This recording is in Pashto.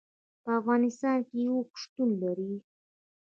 په افغانستان کې اوښ شتون لري.